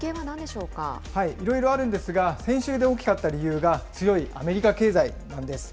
いろいろあるんですが、先週で大きかった理由が、強いアメリカ経済なんです。